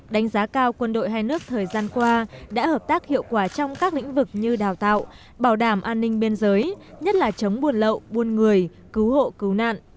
đánh giá cao quân đội hai nước thời gian qua đã hợp tác hiệu quả trong các lĩnh vực như đào tạo bảo đảm an ninh biên giới nhất là chống buồn lậu buôn người cứu hộ cứu nạn